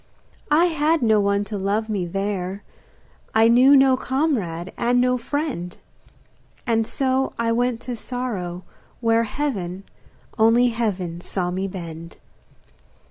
I had no one to love me there, I knew no comrade and no friend; And so I went to sorrow where Heaven, only heaven saw me bend.